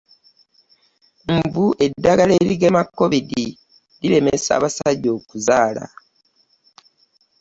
Mbu eddagala erigema Covid liremesa abasajja okuzaala.